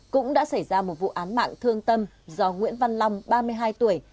cũng đã xảy ra một vụ án mạng thương tâm do nguyễn văn long ba mươi hai tuổi